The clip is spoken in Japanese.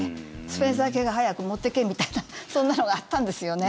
スペンサー家が早く持ってけみたいなそんなのがあったんですよね。